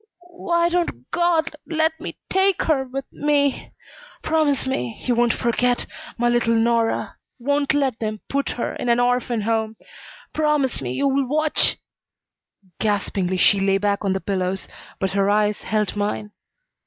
"Why don't God let me take her with me? Promise me you won't forget my little Nora! Won't let them put her in an orphan home. Promise me you'll watch " Gaspingly she lay back on the pillows, but her eyes held mine.